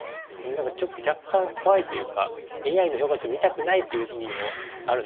何か若干怖いというかＡＩの評価値を見たくないという時にもあるんですよね。